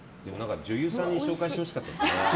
女優さんに紹介してほしかったですね。